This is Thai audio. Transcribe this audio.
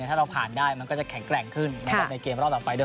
ถ้าเราผ่านได้มันก็จะแข็งแกร่งขึ้นนะครับในเกมรอบต่อไปด้วย